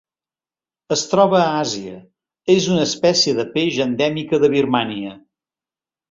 Es troba a Àsia: és una espècie de peix endèmica de Birmània.